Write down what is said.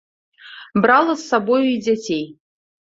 Брала з сабою і дзяцей.